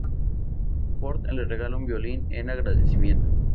Ford le regala un violín en agradecimiento.